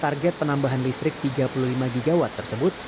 target penambahan listrik tiga puluh lima gigawatt tersebut